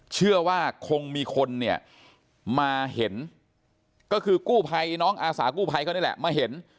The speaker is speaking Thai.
เชื่อว่าคงมีคนเนี่ยมาเห็นก็คือกู้ภัยน้องอาสากู้ภัยเขานี่แหละมาเห็น